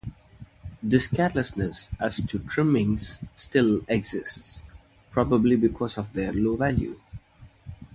This carelessness as to trimmings still exists, probably because of their low value.